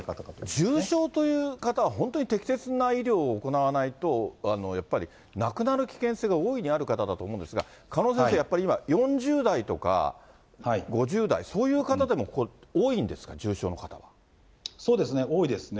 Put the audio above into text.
重症という方は、本当に適切な医療を行わないとやっぱり亡くなる危険性が大いにある方だと思うんですが、鹿野先生、今やっぱり４０代とか５０代、そういう方でも多いんですか、そうですね、多いですね。